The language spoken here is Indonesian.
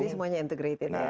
jadi semuanya integrated ya